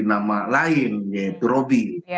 nama lain yaitu roby